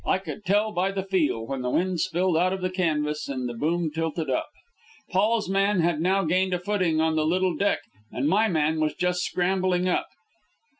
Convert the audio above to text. I could tell by the "feel" when the wind spilled out of the canvas and the boom tilted up. Paul's man had now gained a footing on the little deck, and my man was just scrambling up.